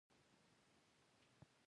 زردالو د افغانستان د طبیعي زیرمو برخه ده.